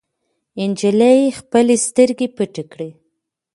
نجلۍ خپلې سترګې پټې کړې.